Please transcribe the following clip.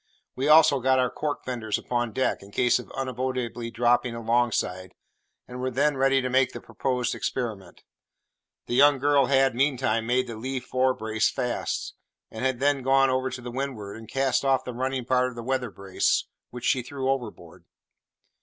We also got our cork fenders upon deck, in case of unavoidably dropping alongside, and were then ready to make the proposed experiment. The young girl had, meantime, made the lee fore brace fast, and had then gone over to windward and cast off the running part of the weather brace, which she threw overboard.